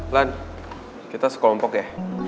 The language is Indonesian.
lan kita sekolompok ya